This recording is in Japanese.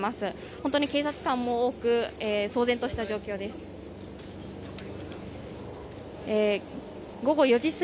本当に警察官も多く騒然とした状況です。